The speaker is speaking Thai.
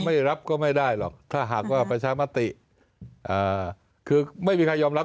ไม่รับก็ไม่ได้หรอกถ้าหากว่าประชามติคือไม่มีใครยอมรับ